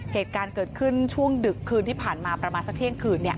เหตุการณ์เกิดขึ้นช่วงดึกคืนที่ผ่านมาประมาณสักเที่ยงคืน